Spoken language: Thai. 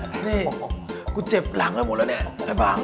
นี่กูเจ็บหลังกันหมดแล้วเนี่ยไอ้บาง